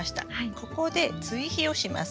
ここで追肥をします。